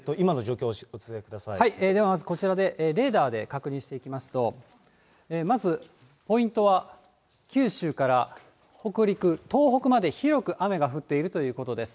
ではまずこちらで、レーダーで確認していきますと、まずポイントは、九州から北陸、東北まで広く雨が降っているということです。